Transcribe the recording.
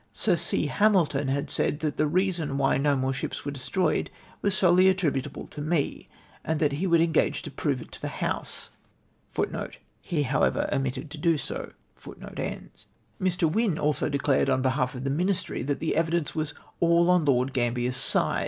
Sir C. Hamilton had said that the reason why no more ships were destroyed was solely attri butable to me ! and that he would engage to prove it to the House.f Mr. Wynne also declared, on behalf of the Ministry, that the evidence was all on Lord Gambler's side!